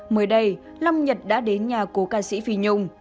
mới đây long nhật đã đến nhà cố ca sĩ phi nhung